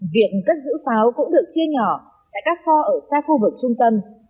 việc cất giữ pháo cũng được chia nhỏ tại các kho ở xa khu vực trung tâm